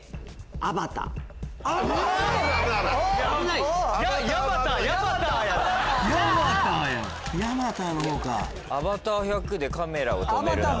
『アバター』⁉『アバター』１００で『カメラを止めるな！』。